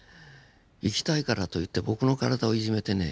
生きたいからといって僕の体をいじめてね